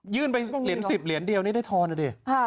ยื่นไป๑๐เหรียญเดียวนี่ได้ทอนอ่ะดิ